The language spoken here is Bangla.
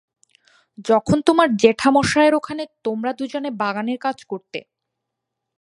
যখন তোমার জেঠামশায়ের ওখানে তোমরা দুজনে বাগানের কাজ করতে।